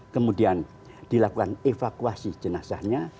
kemudian dilakukan evakuasi jenazahnya